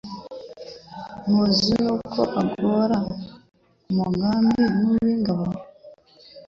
Muzi n'uko agora umugambi nk'uw'ingabo,